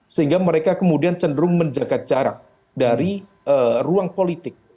sehingga mereka kemudian cenderung menjaga jarak dari ruang politik